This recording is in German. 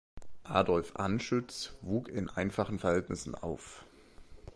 Adolf Anschütz wuchs in einfachen Verhältnissen auf.